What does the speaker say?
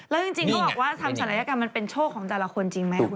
แล้วจริงเขาบอกว่าทำศัลยกรรมมันเป็นโชคของแต่ละคนจริงไหม